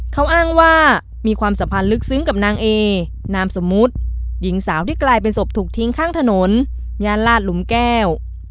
เขาอ้างว่ามีความสัมพันธ์ลึกซึ้งกับนางเอนามสมมุติหญิงสาวที่กลายเป็นศพถูกทิ้งข้างถนนย่านลาดหลุมแก้ว